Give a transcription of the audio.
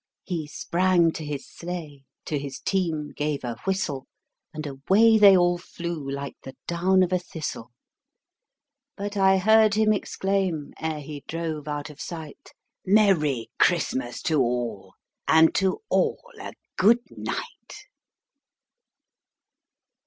He sprang to his sleigh, to his team gave a whistle, And away they all flew like the down of a thistle; But I heard him exclaim, ere he drove out of sight, "Merry Christmas to all, and to all a good night!"